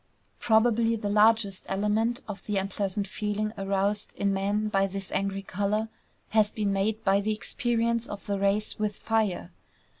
Probably the largest element of the unpleasant feeling aroused in man by this angry color has been made by the experience of the race with fire.